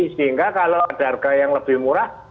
sehingga kalau ada harga yang lebih murah